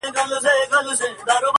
انسانه واه واه نو قتل و قتال دي وکړ